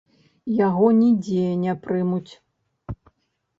Яго нідзе не прымуць.